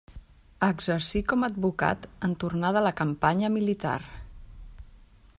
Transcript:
Exercí com a advocat en tornar de la campanya militar.